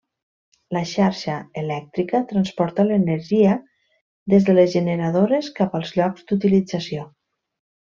La xarxa elèctrica transporta l'energia des de les generadores cap als llocs d'utilització.